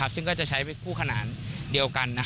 ซึ่งก็จะใช้คู่ขนานเดียวกัน